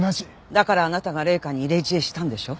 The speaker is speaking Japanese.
だからあなたが麗華に入れ知恵したんでしょ？